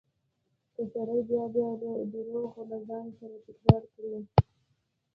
که سړی بيا بيا درواغ له ځان سره تکرار کړي.